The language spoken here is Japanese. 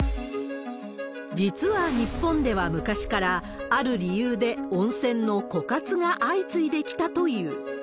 実は日本では昔から、ある理由で温泉の枯渇が相次いできたという。